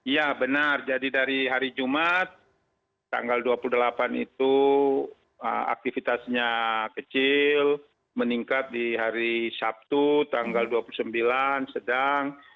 ya benar jadi dari hari jumat tanggal dua puluh delapan itu aktivitasnya kecil meningkat di hari sabtu tanggal dua puluh sembilan sedang